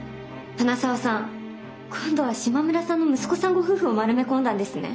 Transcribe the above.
花澤さん今度は島村さんの息子さんご夫婦を丸め込んだんですね。